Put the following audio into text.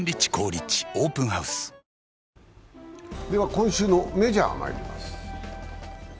今週のメジャーまいります。